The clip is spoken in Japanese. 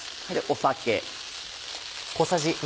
酒。